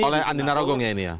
oleh andi narogong ya ini ya